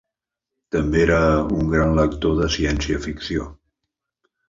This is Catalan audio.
També era un gran lector de ciència ficció.